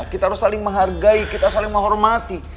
kita harus saling menghargai kita saling menghormati